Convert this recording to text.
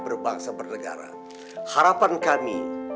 berbangsa bernegara harapan kami